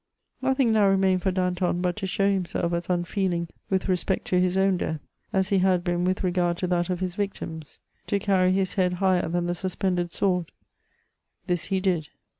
Nothing now remained for Danton, but to show himself aa unfeeling with respect to his own death, as he had been with regard to that of his victims — to carry his head higher than the suspended sword : this he did.